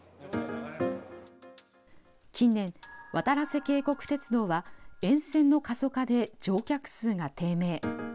近年、わたらせ渓谷鉄道は、沿線の過疎化で乗客数が低迷。